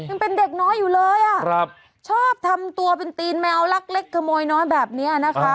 ยังเป็นเด็กน้อยอยู่เลยอ่ะครับชอบทำตัวเป็นตีนแมวลักเล็กขโมยน้อยแบบเนี้ยนะคะ